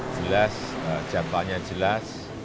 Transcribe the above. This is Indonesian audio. jelas jamannya jelas